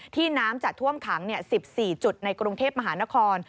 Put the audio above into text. น้ำจะท่วมขัง๑๔จุดในกรุงเทพมหานคร